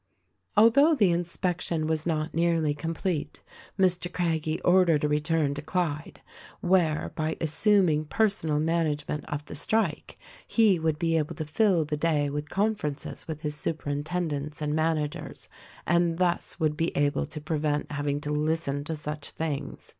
Although the inspection was not nearly complete Mr. Craggie ordered a return to Clyde, where, by assuming per sonal management of the strike, he would be able to fill the day with conferences with his superintendents and man 198 THE RECORDING ANGEL agers and thus would be able to prevent having to listen to such things.